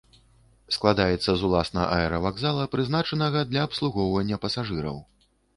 Складаецца з уласна аэравакзала, прызначанага для абслугоўвання пасажыраў.